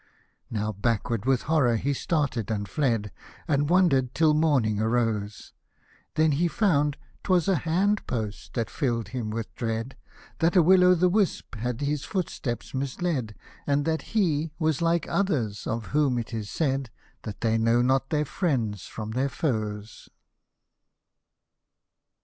109 Now backward with horror he started and fled, And wander'd till morning arose ; Then he found 'twas a hand post had fill'd him with dread, That a rvill rvith a whisp had his footsteps misled, And that he was like others, of whom it is said, That they know not their/Hewcfo from their foes.